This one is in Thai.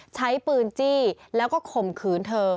ใช้ปืนจี้แล้วก็ข่มขืนเธอ